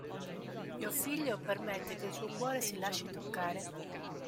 Mio Figlio permette che il suo cuore si lasci toccare".